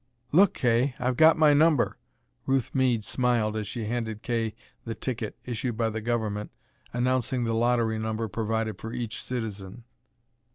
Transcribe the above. "Look, Kay, I've got my number!" Ruth Meade smiled as she handed Kay the ticket issued by the Government announcing the lottery number provided for each citizen.